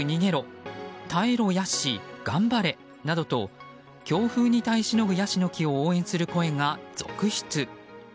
などと強風に耐えしのぐヤシの木を応援する声が続出。